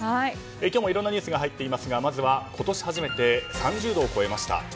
今日もいろんなニュースが入っていますがまずは、今年初めて３０度を超えました。